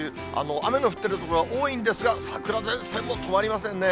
雨の降っている所多いんですが、桜前線も止まりませんね。